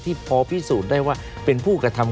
พอพิสูจน์ได้ว่าเป็นผู้กระทำ